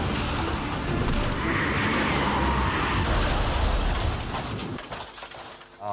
เข้าไป